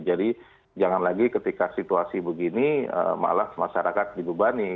jadi jangan lagi ketika situasi begini malah masyarakat dibubani